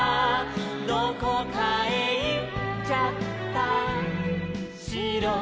「どこかへいっちゃったしろ」